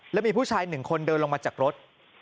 แล้วมีผู้ชาย๑คนเดินลงมาจากรถ